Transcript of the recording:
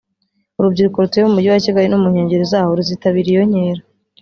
urubyiruko rutuye mu Mujyi wa Kigali no mu nkengero zaho ruzitabira iyo nkera